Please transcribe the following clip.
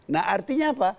nah artinya apa